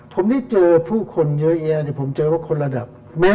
ผมได้เจอผู้คนเยอะแยะผมเจอว่าคนระดับแม้